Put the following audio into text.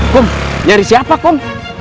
kum nyari siapa kum